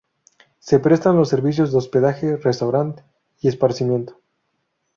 Se prestan los servicios de hospedaje, restaurant y esparcimiento.